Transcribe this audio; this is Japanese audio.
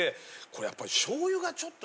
これやっぱり。